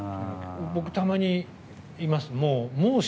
僕たまに、言います。